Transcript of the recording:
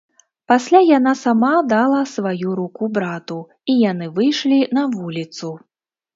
Пасля яна сама дала сваю руку брату, і яны выйшлі на вуліцу.